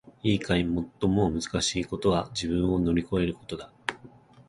いいかい！最もむずかしいことは自分を乗り越えることだ！